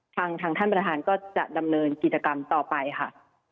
ทางท่านประธานก็จะดำเนินกิจกรรมต่อไปค่ะ